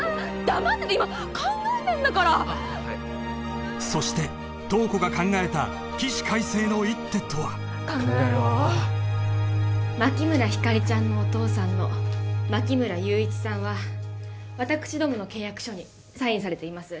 黙ってて今考えてんだからああはいそして塔子が考えた起死回生の一手とは考えろ考えろ牧村ひかりちゃんのお父さんの牧村悠一さんは私どもの契約書にサインされています